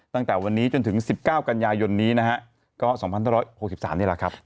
ตั้งแต่วันนี้จนถึง๑๙กันยายนนี้นะฮะก็๒๑๖๓นี่แหละครับ